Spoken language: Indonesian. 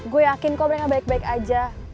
gue yakin kok mereka baik baik aja